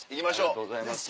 ありがとうございます。